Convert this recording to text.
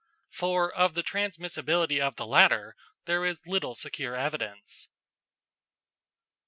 For of the transmissibility of the latter there is little secure evidence.